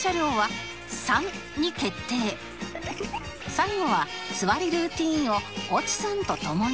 最後は座りルーティンを越智さんと共に